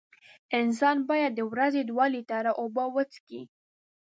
انسان باید د ورځې دوه لېټره اوبه وڅیښي.